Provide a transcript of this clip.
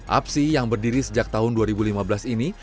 apsi yang berdiri sejak tahun dua ribu lima belas ini